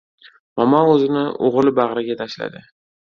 Momo o‘zini o‘g‘li bag‘riga tashladi.